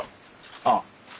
ああ。